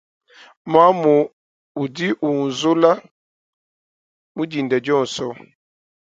Mamu udi unzula mudinda dionso.